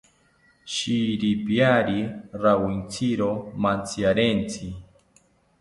Shiripiari rawintziro mantziarentsi